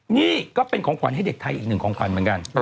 นี่ก็เป็นของขวัญให้เด็กไทยอีกหนึ่งของขวัญเหมือนกัน